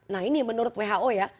nah ini menurut who ya